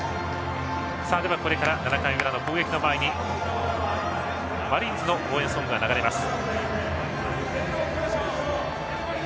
これから７回裏の攻撃前にマリーンズの応援ソングが流れます。